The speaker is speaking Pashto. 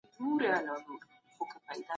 د دین ټولنپوهنه مذهبي باورونه څېړي.